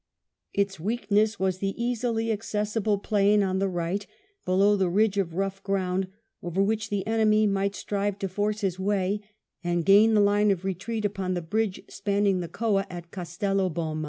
Its weakness was the easily accessible plain on the right below the ridge of rough ground, over which the enemy might strive to force his way and gain the line of retreat upon the bridge span ning the Coa at Castello Bom.